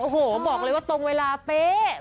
โอ้โหบอกเลยว่าตรงเวลาเป๊ะ